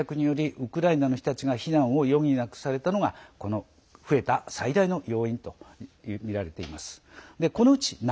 ロシアの侵略によりウクライナの人たちが避難を余儀なくされたのがこの増えた最大の要因だとみられています。